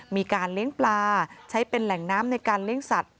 มีการเลี้ยงปลาใช้เป็นแหล่งน้ำในการเลี้ยงสัตว